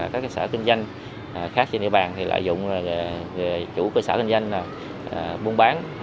các cơ sở kinh doanh khác trên địa bàn lợi dụng chủ cơ sở kinh doanh buôn bán